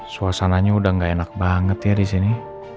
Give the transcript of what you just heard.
suasananya udah gak enak banget ya disini